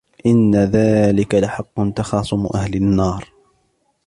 إن ذلك لحق تخاصم أهل النار